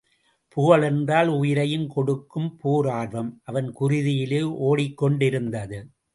புகழ் என்றால் உயிரையும் கொடுக்கும் பேரார்வம் அவன் குருதியிலே ஓடிக் கொண்டிருந்தது.